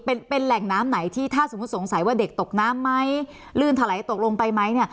เป็นเป็นแหล่งน้ำไหนที่ถ้าสมมุติสงสัยว่าเด็กตกน้ำไหมลื่นถลายตกลงไปไหมเนี่ย